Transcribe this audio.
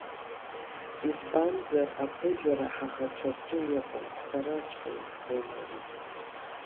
Избанзар аԥыжәара ҳаӷацәа рҿы иҟан, сараҵәҟьа избон ари…